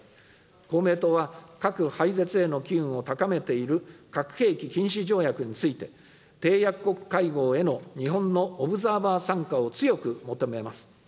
公明党は、核廃絶への機運を高めている核兵器禁止条約について、締約国会合への日本のオブザーバー参加を強く求めます。